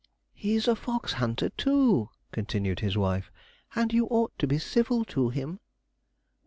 'He's a fox hunter, too,' continued his wife; 'and you ought to be civil to him.'